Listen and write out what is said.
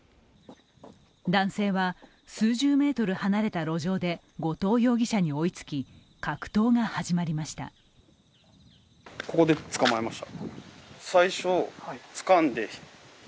男性は数十メートル離れた路上で後藤容疑者に追いつき、格闘が始まりました。